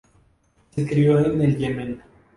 Se crió en el Yemen.